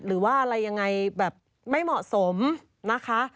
หรือว่าอะไรยังไงแบบไม่เหมาะสมนะคะ